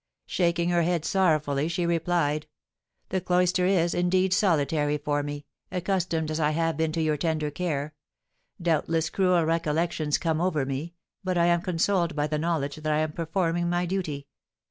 Shaking her head sorrowfully, she replied: "The cloister is, indeed, solitary for me, accustomed as I have been to your tender care; doubtless cruel recollections come over me, but I am consoled by the knowledge that I am performing my duty.